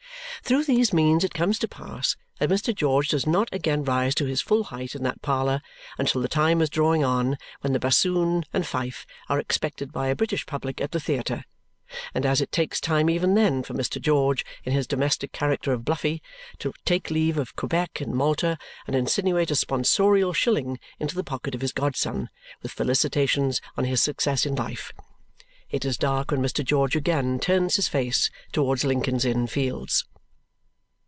Through these means it comes to pass that Mr. George does not again rise to his full height in that parlour until the time is drawing on when the bassoon and fife are expected by a British public at the theatre; and as it takes time even then for Mr. George, in his domestic character of Bluffy, to take leave of Quebec and Malta and insinuate a sponsorial shilling into the pocket of his godson with felicitations on his success in life, it is dark when Mr. George again turns his face towards Lincoln's Inn Fields.